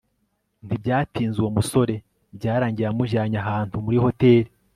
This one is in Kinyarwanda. ntibyatinze uwo musore byarangiye amujyanye ahantu muri hotel